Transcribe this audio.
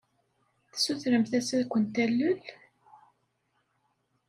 Tessutremt-as ad kent-talel?